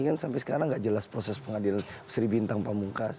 kan sampai sekarang nggak jelas proses pengadilan sri bintang pamungkas